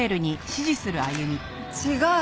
違う！